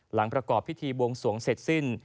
ประกอบพิธีบวงสวงเสร็จสิ้น